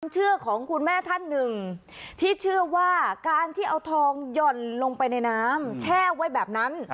เชื่อของคุณแม่ท่านหนึ่งที่เชื่อว่าการที่เอาทองหย่อนลงไปในน้ำแช่ไว้แบบนั้น